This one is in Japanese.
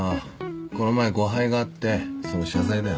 この前誤配があってその謝罪だよ。